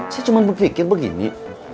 saya cuma berpikir begini